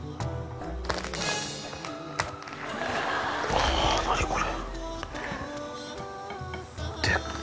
あ何これ？